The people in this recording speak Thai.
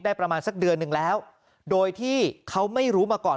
ประมาณสักเดือนหนึ่งแล้วโดยที่เขาไม่รู้มาก่อน